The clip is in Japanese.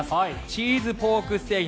チーズポークステーキ。